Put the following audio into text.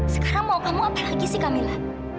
sekarang mau kamu apa lagi sih camilla